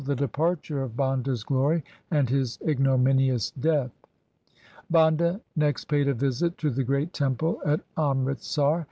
250 THE SIKH RELIGION departure of Banda's glory and his ignominious death. Banda next paid a visit to the great temple at Amritsar.